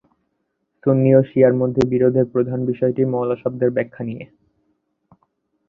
সুন্নি ও শিয়া-র মধ্যে বিরোধের প্রধান বিষয়টি 'মাওলা' শব্দের ব্যাখ্যা নিয়ে।